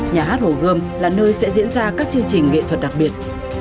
nhà hát hồ gươm là nơi sẽ diễn ra các chương trình nghệ thuật đặc biệt